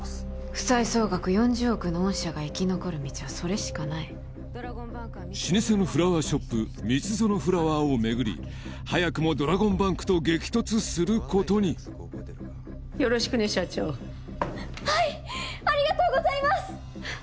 負債総額４０億の御社が生き残る道はそれしかない老舗のフラワーショップ蜜園フラワーを巡り早くもドラゴンバンクと激突することによろしくね社長はいありがとうございます！